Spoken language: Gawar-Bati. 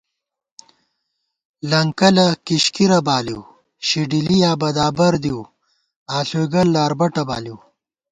لَنکَلہ کِشکِرہ بالِؤ، شَڈِلی یا بدابر دِؤ آݪُوئیگل لاربَٹہ بالِؤ